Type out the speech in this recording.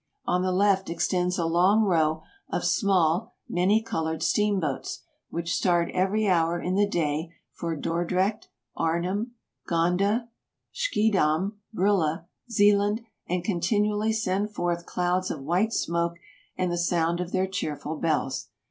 On the left extends a long row of small many colored steamboats, which start every hour in the day for Dordrecht, Arnhem, Gonda, Schiedam, Brilla, Zealand, and continually send forth clouds of white smoke and the sound of their cheerful bells.